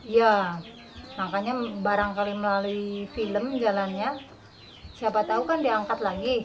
ya makanya barangkali melalui film jalannya siapa tahu kan diangkat lagi